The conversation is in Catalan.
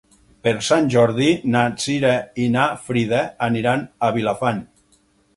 Per Sant Jordi na Cira i na Frida aniran a Vilafant.